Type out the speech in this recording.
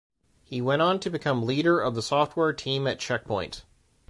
He went on to become leader of the software team at Check Point.